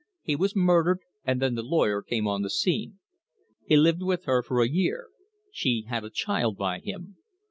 "He was murdered, and then the lawyer came on the scene. He lived with her for a year. She had a child by him.